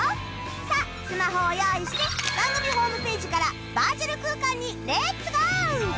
さあスマホを用意して番組ホームページからバーチャル空間にレッツゴー！